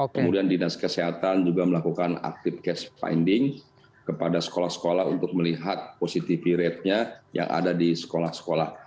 kemudian dinas kesehatan juga melakukan active case finding kepada sekolah sekolah untuk melihat positivity ratenya yang ada di sekolah sekolah